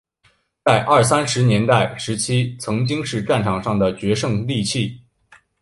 在二三十年代时期曾经是战场上的决胜利器。